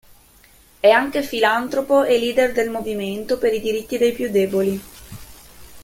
È anche filantropo e leader del movimento per i diritti dei più deboli.